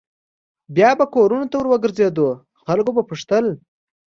بیا به کورونو ته ور وګرځېدو خلکو به پوښتل.